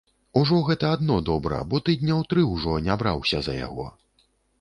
Ужо гэта адно добра, бо тыдняў тры ўжо не браўся за яго.